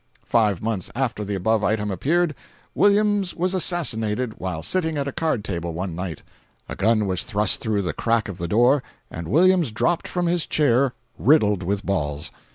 Five months after the above item appeared, Williams was assassinated while sitting at a card table one night; a gun was thrust through the crack of the door and Williams dropped from his chair riddled with balls.